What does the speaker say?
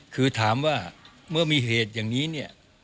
คือถามว่าเมื่อมีเหตุอย่างนี้เนี่ย